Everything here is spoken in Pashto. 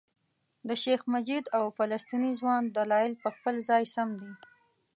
د شیخ مجید او فلسطیني ځوان دلایل په خپل ځای سم دي.